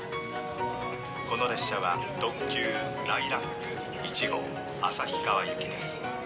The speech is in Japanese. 「この列車は特急ライラック１号旭川行きです」。